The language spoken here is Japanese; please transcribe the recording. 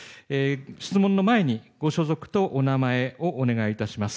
質問の前に、ご所属とお名前をお願いいたします。